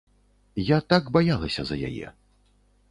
Я так баялася за яе.